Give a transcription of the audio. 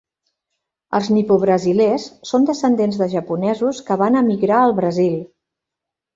Els nipobrasilers són descendents de japonesos que van emigrar al Brasil.